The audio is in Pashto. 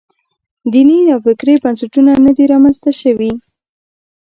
دیني نوفکرۍ بنسټونه نه دي رامنځته شوي.